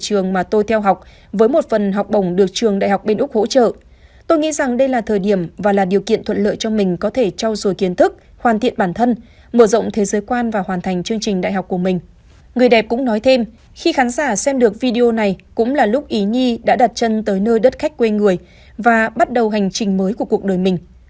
ý nhi đã bắt đầu hành trình mới của cuộc đời mình